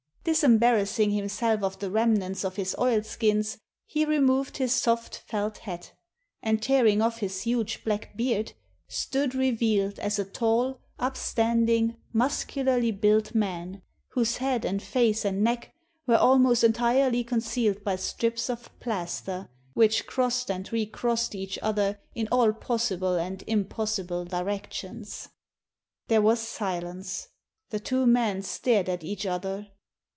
Dis embarrassing himself of the remnants of his oilskins, he removed his soft felt hat, and, tearing off his huge black beard, stood revealed as a tall, upstand ing, muscularly built man, whose head and face and neck were almost entirely concealed by strips of plaster, which crossed and recrossed each other in all possible and impossible directions. There was silence. The two men stared at each other.